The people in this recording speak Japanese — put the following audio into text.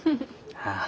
ああ。